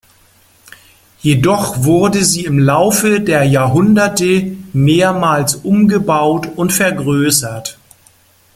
Jedoch wurde sie im Laufe der Jahrhunderte mehrmals umgebaut und vergrößert.